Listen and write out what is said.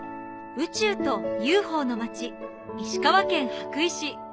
宇宙とＵＦＯのまち石川県羽咋市。